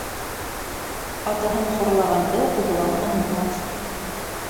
Атаһын хурлағанды уғлан онотмаҫ.